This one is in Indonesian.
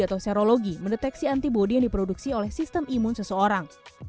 atau serologi mendeteksi antibody yang diproduksi oleh sistem imun seseorang